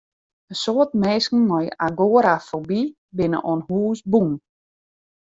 In soad minsken mei agorafoby binne oan hûs bûn.